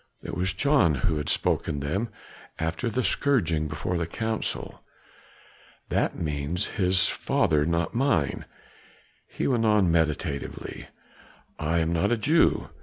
It was John who had spoken them after the scourging before the council. "That means his father, not mine;" he went on meditatively, "I am not a Jew.